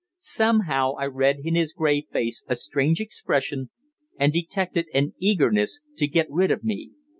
Somehow I read in his grey face a strange expression, and detected an eagerness to get rid of me.